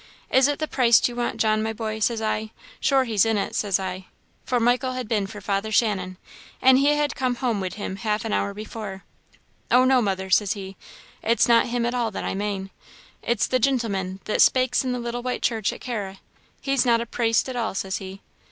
'Is it the praist you want, John, my boy?' says I 'sure he's in it,' says I'; for Michael had been for Father Shannon, an' he had come home wid him half an hour before. 'Oh no, mother,' says he, 'it's not him at all that I mane it's the gintleman that spakes in the little white church at Carra he's not a praist at all,' says he.